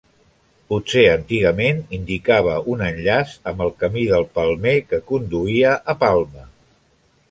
Potser antigament indicava un enllaç amb el camí del Palmer que conduïa a Palma.